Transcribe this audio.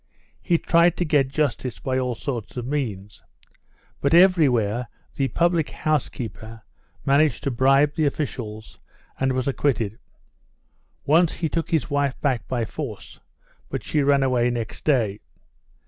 He tried to get justice by all sorts of means. But everywhere the public house keeper managed to bribe the officials, and was acquitted. Once, he took his wife back by force, but she ran away next day.